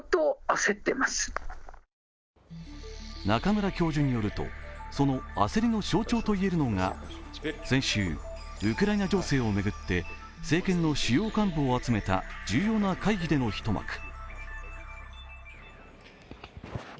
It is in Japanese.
中村教授によるとその焦りの象徴といえるのが先週、ウクライナ情勢を巡って政権の主要幹部を集めた重要な会議での一幕。